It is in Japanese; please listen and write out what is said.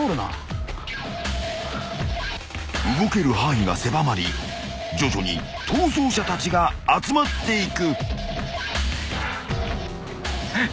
［動ける範囲が狭まり徐々に逃走者たちが集まっていく］